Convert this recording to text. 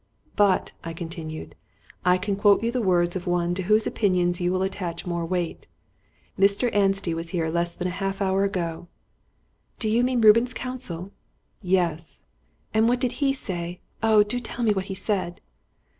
"But," I continued, "I can quote you the words of one to whose opinions you will attach more weight. Mr. Anstey was here less than half an hour ago " "Do you mean Reuben's counsel?" "Yes." "And what did he say? Oh, do tell me what he said."